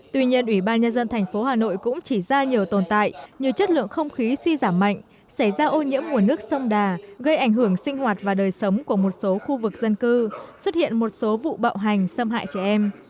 tuy nhiên ủy ban nhân dân thành phố hà nội cũng chỉ ra nhiều tồn tại như chất lượng không khí suy giảm mạnh xảy ra ô nhiễm nguồn nước sông đà gây ảnh hưởng sinh hoạt và đời sống của một số khu vực dân cư xuất hiện một số vụ bạo hành xâm hại trẻ em